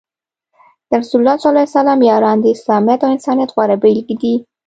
د رسول الله ص یاران د اسلامیت او انسانیت غوره بیلګې دي.